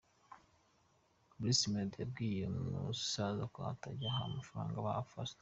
Bruce Melodie yabwiye uyu musaza ko atajya aha amafaranga abafana.